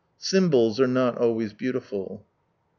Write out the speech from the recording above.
Symbols are not always beautiful.